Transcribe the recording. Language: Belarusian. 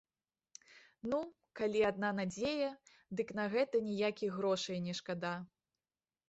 Ну, калі адна надзея, дык на гэта ніякіх грошай не шкада.